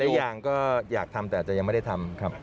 อีกอย่างก็อยากทำแต่จะยังไม่ได้ทำครับ